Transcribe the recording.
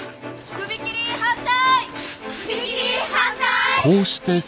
首切り反対！